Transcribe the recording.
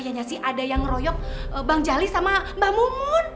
ya sih ada yang ngeroyok bang jali sama mbak mumun